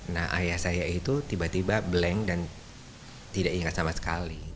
nah ayah saya itu tiba tiba blank dan tidak ingat sama sekali